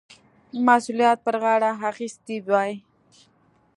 مسؤلیت پر غاړه اخیستی وای.